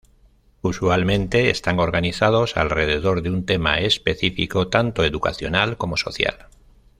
Usualmente están organizados alrededor de un tema específico, tanto educacional como social.